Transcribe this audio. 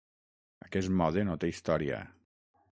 Aquest mode no té història.